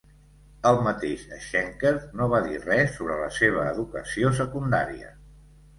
El mateix Schenker no va dir res sobre la seva educació secundària.